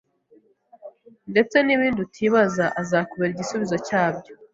ndetse n’ibindi utibaza azakubera igisubizo cyabyo.”